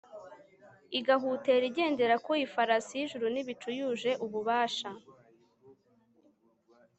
igahutera igendera ku ifarasi y'ijuru n'ibicu, yuje ububasha